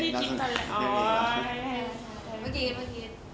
เมื่อกี้แม่ก็ให้เป็นของขวานนะคะ